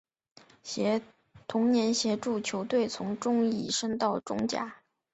同年协助球队从中乙升上中甲。